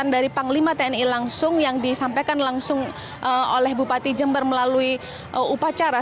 dari panglima tni langsung yang disampaikan langsung oleh bupati jember melalui upacara